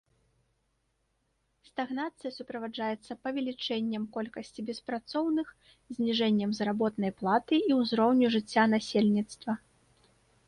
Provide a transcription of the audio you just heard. Стагнацыя суправаджаецца павелічэннем колькасці беспрацоўных, зніжэннем заработнай платы і ўзроўню жыцця насельніцтва.